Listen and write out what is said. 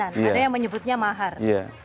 ada yang menyebutnya mahar